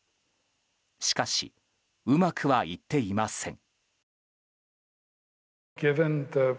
しかしうまくはいっていません。